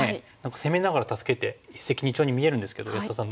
攻めながら助けて一石二鳥に見えるんですけど安田さん